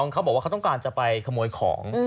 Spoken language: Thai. เขาบอกว่าเขาต้องการจะไปขโมยของ